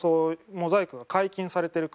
モザイクが解禁されてる国